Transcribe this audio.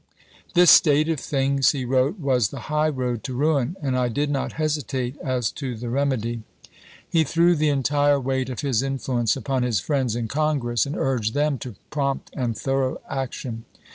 "This state of things," he wi'ote, "was the high road to ruin, and I did not hesitate as to the rem edy." He threw the entire weight of his influence upon his friends in Congress and urged them to prompt and thorough action.